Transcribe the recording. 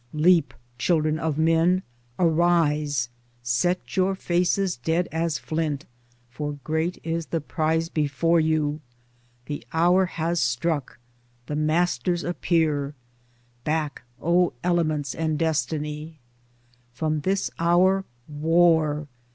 Leap, children of men, arise ! Set your faces dead as flint. For great is the prize before you. The hour has struck ! the Masters appear ! Back, O elements and destiny ! From this hour, War !